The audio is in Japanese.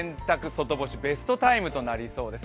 外干しベストタイムとなりそうです。